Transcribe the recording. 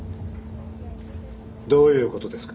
どういう事ですか？